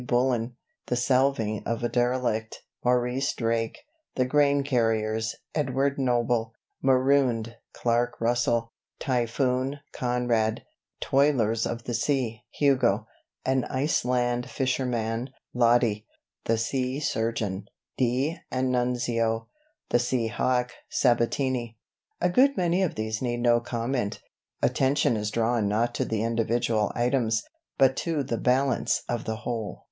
Bullen The Salving of a Derelict Maurice Drake The Grain Carriers Edward Noble Marooned Clark Russell Typhoon Conrad Toilers of the Sea Hugo An Iceland Fisherman Loti The Sea Surgeon D'Annunzio The Sea Hawk Sabatini "A good many of these need no comment. Attention is drawn not to the individual items, but to the balance of the whole.